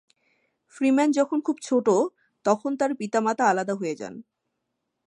Freeman যখন খুব ছোট তখন তার পিতামাতা আলাদা হয়ে যান।